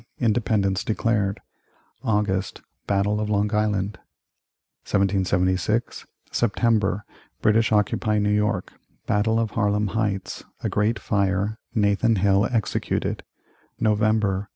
Independence declared August. Battle of Long Island 1776. September. British occupy New York Battle of Harlem Heights A Great Fire Nathan Hale executed November.